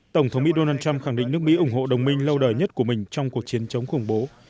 tổng thống mỹ donald trump khẳng định nước mỹ ủng hộ đồng minh lâu đời nhất của mình trong cuộc chiến chống khủng bố